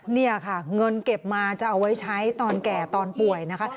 นี่ค่ะเงินเก็บมาจะเอาไว้ใช้ตอนแก่ตอนป่วยนะคะ